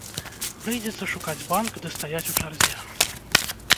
Прыйдзецца шукаць банк ды стаяць у чарзе.